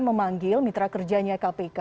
memanggil mitra kerjanya kpk